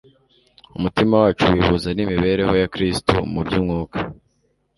umutima wacu wihuza n'imibereho ya Kristo mu by'umwuka.